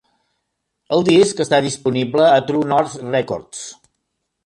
El disc està disponible a "True North Records".